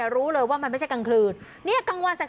รู้เลยว่ามันไม่ใช่กังคลืดนี่กังวัลแทรก